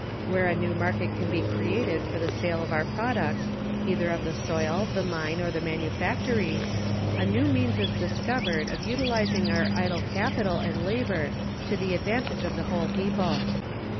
Where a new market can be created for the sale of our products, either of the soil, the mine, or the manufactory, a new means is discovered of utilizing our idle capital and labor to the advantage of the whole people.